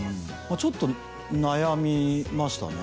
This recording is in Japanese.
ちょっと悩みましたね